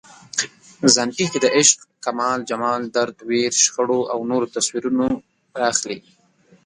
ځان پېښې د عشق، کمال، جمال، درد، ویر، شخړو او نورو تصویرونه راخلي.